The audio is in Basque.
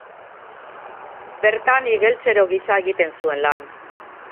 Bertan, igeltsero gisa egiten zuen lan.